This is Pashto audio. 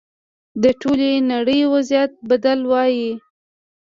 د ټولې نړۍ وضعیت بدل وای.